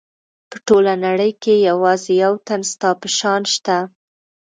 په ټوله نړۍ کې یوازې یو تن ستا په شان شته.